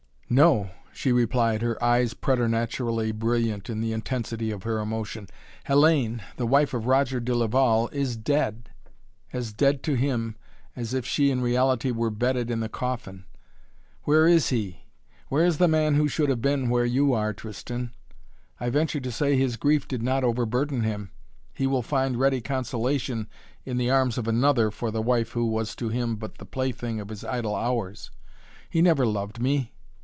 "No!" she replied, her eyes preternaturally brilliant in the intensity of her emotion. "Hellayne, the wife of Roger de Laval, is dead as dead to him, as if she in reality were bedded in the coffin. Where is he? Where is the man who should have been where you are, Tristan? I venture to say his grief did not overburden him. He will find ready consolation in the arms of another for the wife who was to him but the plaything of his idle hours. He never loved me!